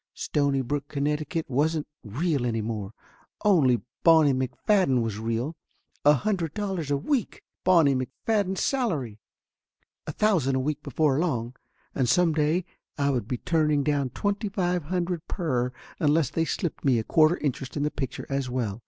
Stonybrook, Connecticut, wasn't real any more. Only Bonnie Mc Fadden was real. A hundred dollars a week ! Bonnie McFadden's salary ! A thousand a week before long. And some day I would be turning down twenty five hundred per unless they slipped me a quarter interest in the picture as well.